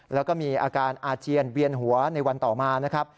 แล้วก็มีอาการอาเจียนเวียนหัวในวันต่อมานะครับ